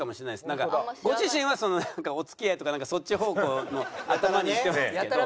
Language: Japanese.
なんかご自身はお付き合いとかなんかそっち方向の頭にいってますけど。